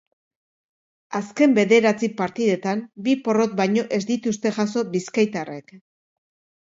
Azken bederatzi partidetan bi porrot baino ez dituzte jaso bizkaitarrek.